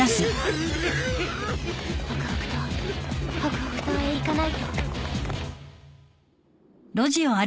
北北東北北東へ行かないと。